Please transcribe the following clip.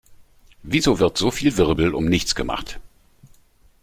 Wieso wird so viel Wirbel um nichts gemacht?